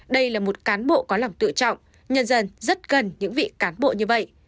đây là một cán bộ có lòng tự trọng nhân dân rất cần những vị cán bộ như vậy